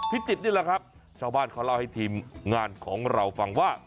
พิจิตรนี่แหละครับชาวบ้านเขาเล่าให้ทีมงานของเราฟังว่า